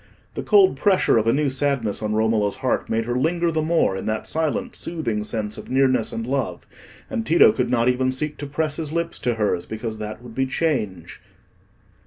The cold pressure of a new sadness on Romola's heart made her linger the more in that silent soothing sense of nearness and love; and Tito could not even seek to press his lips to hers, because that would be change.